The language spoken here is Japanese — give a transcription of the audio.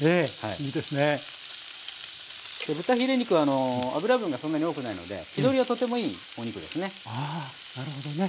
豚ヒレ肉は脂分がそんなに多くないので火通りがとてもいいお肉ですね。